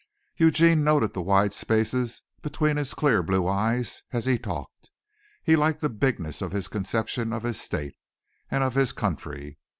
Eugene noted the wide space between his clear blue eyes as he talked. He liked the bigness of his conception of his state and of his country.